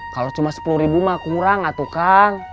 kalau cuma sepuluh ribu mah kurang ah tuh kang